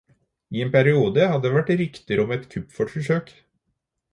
I en periode hadde det vært rykter om et kuppforsøk.